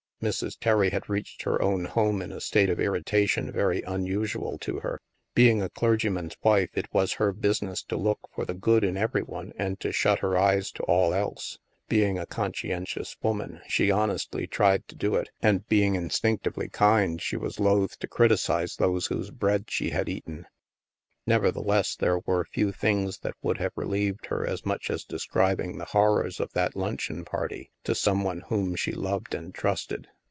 Mrs. Terry had reached her own home in a state of irritation very unusual to her. Being a clergy man's wife, it was her business to look for the good in every one and to shut her eyes to all else. Being a conscientious woman, she honestly tried to do it, and being instinctively kind, she was loath to criticize those whose bread she had eaten. Never theless, there were few things that would have re lieved her as much as describing the horrors of that luncheon party to some one whom she loved and trusted.